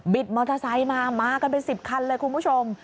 มอเตอร์ไซค์มามากันเป็น๑๐คันเลยคุณผู้ชม